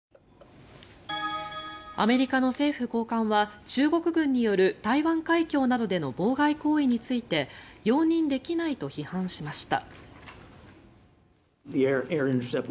アメリカの政府高官は中国軍による台湾海峡などでの妨害行為について容認できないと批判しました。